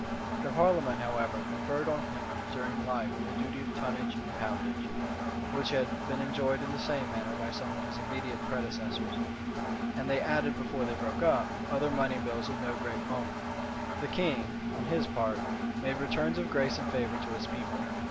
The parliament, however, conferred on him during life the duty of tonnage and poundage, which had been enjoyed in the same manner by some of his immediate predecessors; and they added, before they broke up, other money bills of no great moment. The king, on his part, made returns of grace and favor to his people.